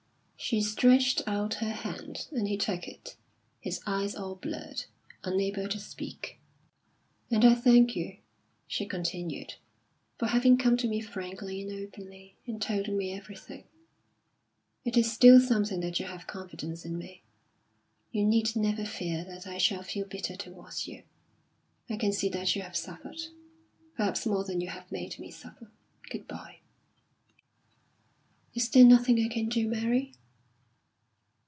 She stretched out her hand, and he took it, his eyes all blurred, unable to speak. "And I thank you," she continued, "for having come to me frankly and openly, and told me everything. It is still something that you have confidence in me. You need never fear that I shall feel bitter towards you. I can see that you have suffered perhaps more than you have made me suffer. Good bye!" "Is there nothing I can do, Mary?"